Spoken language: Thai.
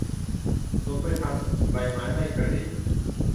ลมไม่พัด ใบไม้ไม่กระดิก